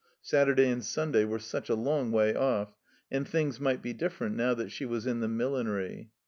Saturday and Stmday were such a long way off, and things might be different now that she was in the millinery.